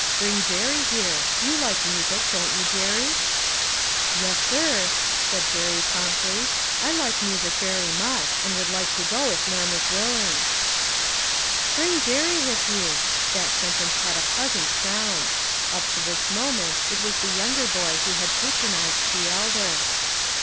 " Bring Jerry, here ; you like music, don't you, Jerry ?"" Yes, sir," said Jerry promptly ;" I like music very much, and I would like to go if Norm is willing." " Bring Jerry with you." That sentence had a pleasant sound. Up to this moment it was the 328 LITTLE FISHERS: AND THEIB NETS. younger boy who had patronized the elder.